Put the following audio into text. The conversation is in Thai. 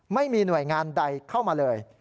ไม่มีหน่วยงานใดเข้ามาเลย